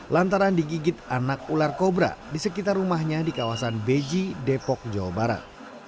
lantaran digigit anak ular kobra di sekitar rumahnya di kawasan beji depok jawa barat